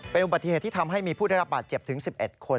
เป็นอุบัติเหตุที่ทำให้มีผู้ได้รับบาดเจ็บถึง๑๑คน